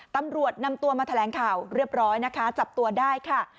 ตำรวจนำตัวมาแถลงข่าวเรียบร้อยนะคะจับตัวได้ค่ะ